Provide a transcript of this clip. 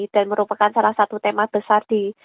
dan merupakan salah satu tema besar di